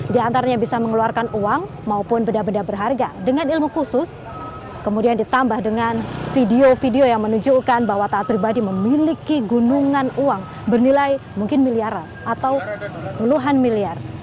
di antaranya bisa mengeluarkan uang maupun beda beda berharga dengan ilmu khusus kemudian ditambah dengan video video yang menunjukkan bahwa taat pribadi memiliki gunungan uang bernilai mungkin miliaran atau puluhan miliar